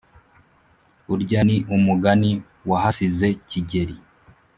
urya ni umugani wahasize kigeli,